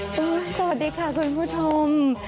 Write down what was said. สวัสดีค่ะคุณผู้ชม